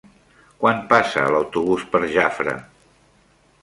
Quan passa l'autobús per Jafre?